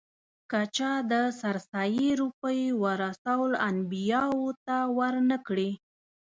که چا د سرسایې روپۍ ورثه الانبیاوو ته ور نه کړې.